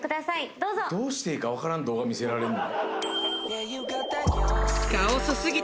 どうぞどうしていいかわからん動画見せられんの？